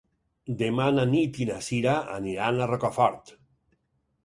Demà na Nit i na Cira aniran a Rocafort.